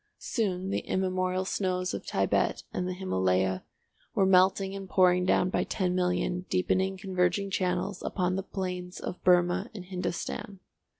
Soon the immemorial snows of Thibet and the Himalaya were melting and pouring down by ten million deepening converging channels upon the plains of Burmah and Hindostan.